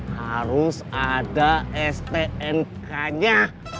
harus ada stnk nya